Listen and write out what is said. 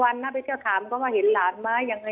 ยายก็ยังแอบไปขายขนมแล้วก็ไปถามเพื่อนบ้านว่าเห็นไหมอะไรยังไง